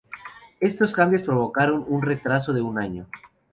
Estos cambios provocaron un retraso de un año.